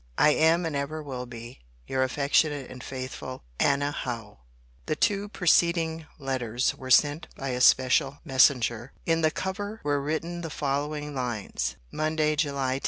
I am, and ever will be, Your affectionate and faithful ANNA HOWE. [The two preceding letters were sent by a special messenger: in the cover were written the following lines:] MONDAY, JULY 10.